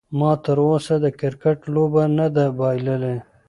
ما تر اوسه د کرکټ لوبه نه ده بایللې.